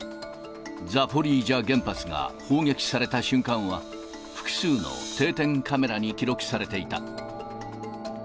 ザポリージャ原発が砲撃された瞬間は、複数の定点カメラに記録されていた。